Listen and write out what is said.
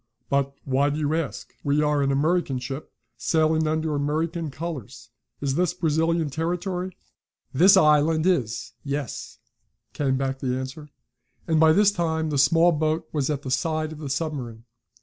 "But why do you ask? We are an American ship, sailing under American colors. Is this Brazilian territory?" "This island is yes," came back the answer, and by this time the small boat was at the side of the submarine.